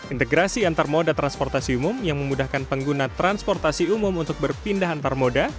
integrasi antar moda transportasi umum yang memudahkan pengguna transportasi umum untuk berpindah antar moda